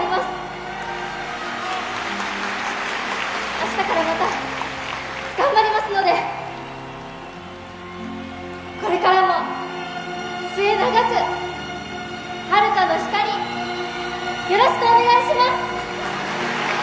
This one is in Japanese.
あしたからまた頑張りますのでこれからも末長く「ハルカの光」よろしくお願いします！